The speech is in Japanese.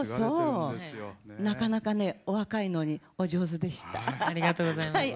なかなかね、お若いのにお上手でした。